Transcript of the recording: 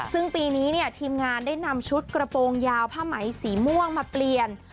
ซึ่งปีนี้เนี่ยทีมงานได้นำชุดกระโปรงยาวผ้าไหมสีม่วงมาเปลี่ยน